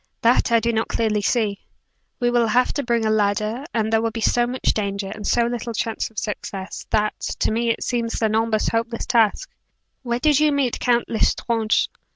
"That I do not clearly see. We will have to bring a ladder, and there will be so much danger, and so little chance of success, that, to me it seems an almost hopeless task. Where did you meet Count L'Estrange?"